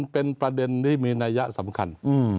เป็นประเด็นที่มีนัยยะสำคัญ